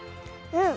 うん！